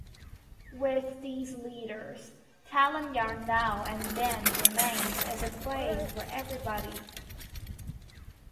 With these leaders, Talayan now and then remains as a place for everybody.